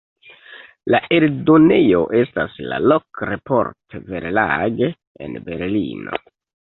La eldonejo estas la "Lok-Report-Verlag" en Berlino.